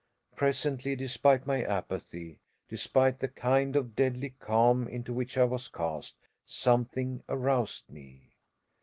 Presently, despite my apathy, despite the kind of deadly calm into which I was cast, something aroused me.